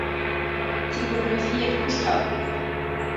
— «Типографиет» кушто?